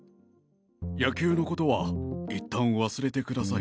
野球のことはいったん忘れてください。